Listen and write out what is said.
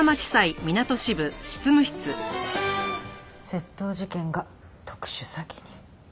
窃盗事件が特殊詐欺に。